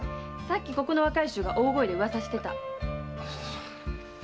さっきここの若い衆が大声で噂してた。